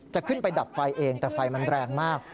จะขึ้นไปดับไฟเองแต่ไฟมันแรงมาก